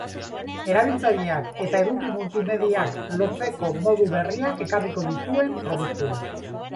Erabiltzaileak eta eduki multimediak lotzeko modu berriak ekarriko dituen produktuak.